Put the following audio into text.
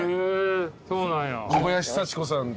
そうなんや。